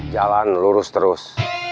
jalan lurus terus